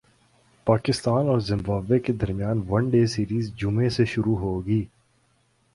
پاکستان اور زمبابوے کے درمیان ون ڈے سیریز جمعہ سے شروع ہوگی